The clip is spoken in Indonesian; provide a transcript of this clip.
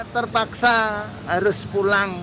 terpaksa harus pulang